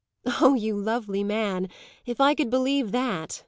"Oh, you lovely man, if I could believe that!"